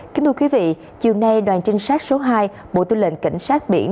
kính thưa quý vị chiều nay đoàn trinh sát số hai bộ tư lệnh cảnh sát biển